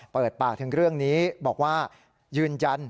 เปิดปากถึงเรื่องนี้บอกว่ายืนยัน